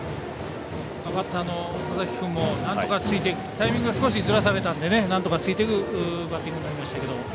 バッターの岡崎君もタイミングを少しずらされたのでなんとかついていくバッティングになりましたけども。